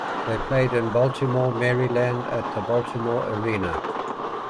They played in Baltimore, Maryland, at the Baltimore Arena.